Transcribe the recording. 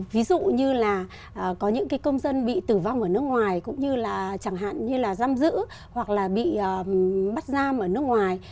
ví dụ như là có những công dân bị tử vong ở nước ngoài cũng như là chẳng hạn như là giam giữ hoặc là bị bắt giam ở nước ngoài